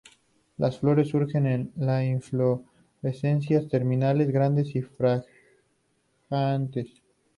Las flores surgen en inflorescencias terminales, grandes y fragantes.